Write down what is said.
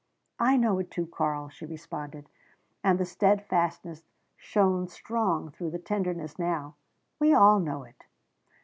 "I know it too, Karl," she responded, and the steadfastness shone strong through the tenderness now. "We all know it."